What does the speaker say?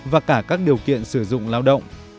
và cả các điều kiện sử dụng lao động